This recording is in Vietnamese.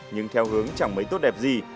nhưng theo hướng chẳng mấy tốt đẹp gì